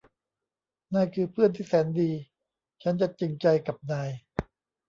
นายคือเพื่อนที่แสนดีฉันจะจริงใจกับนาย